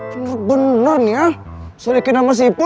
bener bener ya sudikin sama si ipul